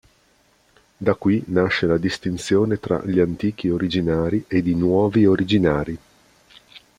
Da qui nasce la distinzione tra gli Antichi Originari ed i Nuovi Originari.